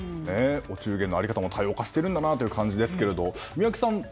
お中元の在り方も多様化してるんだなという感じですけども。